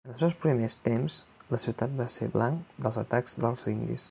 En els seus primers temps, la ciutat va ser blanc dels atacs dels indis.